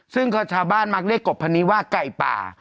ซึ่งชาวบ้านมักเรียกกบพันนี้ว่าไก่ป่า